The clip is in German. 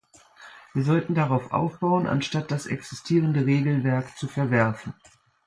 Wir sollten darauf aufbauen, anstatt das existierende Regelwerk zu verwerfen.